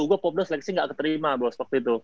gue popda seleksi gak keterima bos